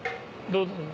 どうぞ。